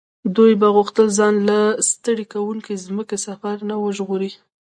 دوی به غوښتل ځان له ستړي کوونکي ځمکني سفر نه وژغوري.